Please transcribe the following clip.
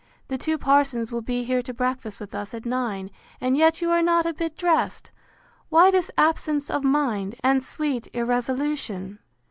The two parsons will be here to breakfast with us at nine; and yet you are not a bit dressed! Why this absence of mind, and sweet irresolution?